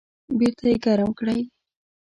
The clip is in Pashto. بیرته یې ګرم کړئ